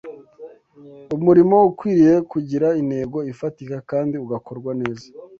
Umurimo ukwiriye kugira intego ifatika kandi ugakorwa neza